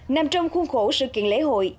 nằm trong khuôn khổ sự kiện lễ hội